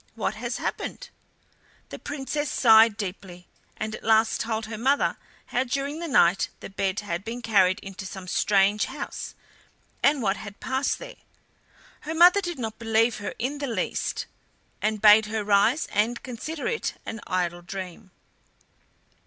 What has happened?" The Princess sighed deeply, and at last told her mother how, during the night, the bed had been carried into some strange house, and what had passed there. Her mother did not believe her in the least, but bade her rise and consider it an idle dream.